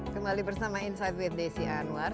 kembali bersama insight with desi anwar